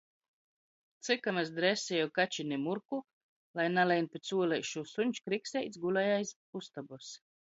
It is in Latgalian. Cikom es dresieju kačini Murku, lai nalein pi cuoleišu, suņs Krikseits gulēja aiz ustobys.